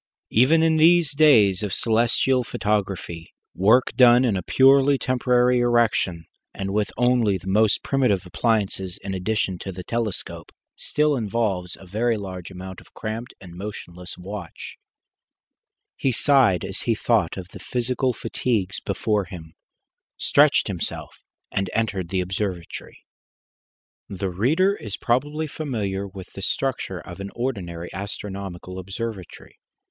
Even in these days of celestial photography, work done in a purely temporary erection, and with only the most primitive appliances in addition to the telescope, still involves a very large amount of cramped and motionless watching. He sighed as he thought of the physical fatigues before him, stretched himself, and entered the observatory. The reader is probably familiar with the structure of an ordinary astronomical observatory.